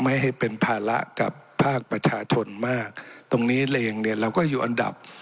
ไม่ให้เป็นภาระกับภาคประชาชนมากตรงนี้เองเนี่ยเราก็อยู่อันดับ